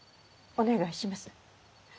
お願いします！